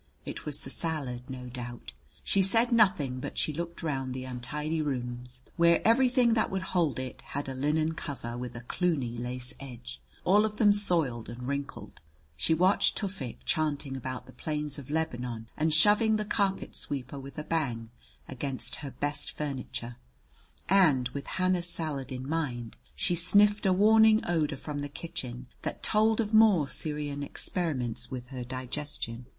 It was the salad, no doubt. She said nothing, but she looked round the untidy rooms, where everything that would hold it had a linen cover with a Cluny lace edge all of them soiled and wrinkled. She watched Tufik, chanting about the plains of Lebanon and shoving the carpet sweeper with a bang against her best furniture; and, with Hannah's salad in mind, she sniffed a warning odor from the kitchen that told of more Syrian experiments with her digestion.